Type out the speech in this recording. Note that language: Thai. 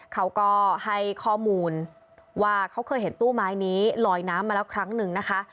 เขาก็ให้ข้อมูลว่าเขาเคยเห็นตู้ไม้นี้ลอยน้ำมาแล้วครั้งหนึ่งนะคะ